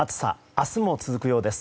明日も続くようです。